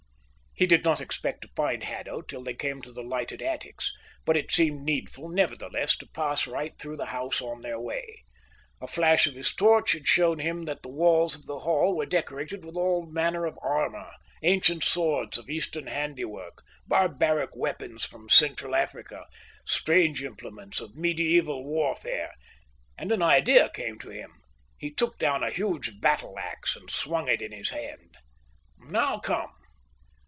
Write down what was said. He did not expect to find Haddo till they came to the lighted attics, but it seemed needful nevertheless to pass right through the house on their way. A flash of his torch had shown him that the walls of the hall were decorated with all manner of armour, ancient swords of Eastern handiwork, barbaric weapons from central Africa, savage implements of medieval warfare; and an idea came to him. He took down a huge battle axe and swung it in his hand. "Now come."